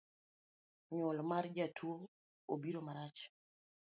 Nyuol mar jatuo obiro marach